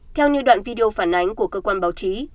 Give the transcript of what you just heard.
theo như đoạn video phản ánh của cơ quan báo chí